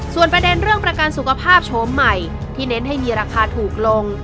ส่วนประเด็นเรื่องประกันสุขภาพโฉมใหม่ที่เน้นให้มีราคาถูกลง